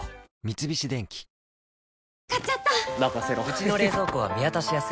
うちの冷蔵庫は見渡しやすい